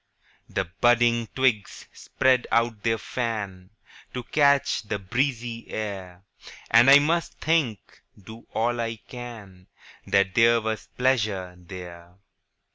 The budding twigs spread out their fan, To catch the breezy air; And I must think, do all I can, That there was pleasure there.